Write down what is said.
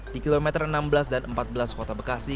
di kilometer enam belas dan empat belas kota bekasi